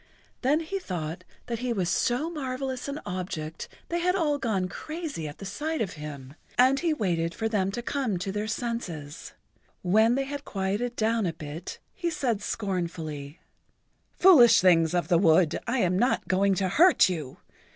Then he thought that he was so marvelous an object they had all gone crazy at the sight of him, and he waited for them to come to their senses. When they had quieted down a bit he said scornfully: "Foolish things of the wood, I am not going to hurt you.